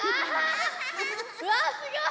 うわすごい！